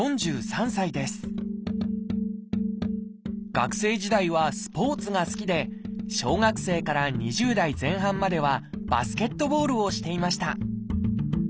学生時代はスポーツが好きで小学生から２０代前半まではバスケットボールをしていました。